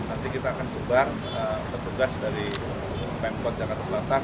nanti kita akan sebar petugas dari pemkot jakarta selatan